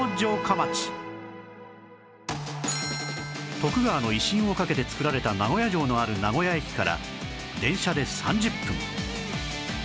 徳川の威信をかけて造られた名古屋城のある名古屋駅から電車で３０分